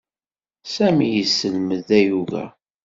Sami yesselmed ayuga.